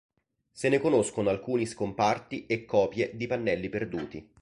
Se ne conoscono alcuni scomparti e copie di pannelli perduti.